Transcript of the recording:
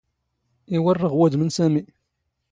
ⵉⵡⵔⵔⵖ ⵡⵓⴷⵎ ⵏ ⵙⴰⵎⵉ.